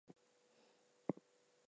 The quick brown fox.